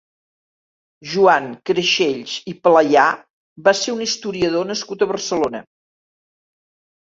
Joan Crexells i Playà va ser un historiador nascut a Barcelona.